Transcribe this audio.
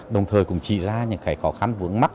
đồng thời cũng chỉ ra những cái khó khăn vướng mắt